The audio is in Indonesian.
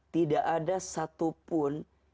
tidak ada satupun